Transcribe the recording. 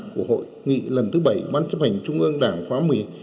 của hội nghị lần thứ bảy ban chấp hành trung ương đảng khóa một mươi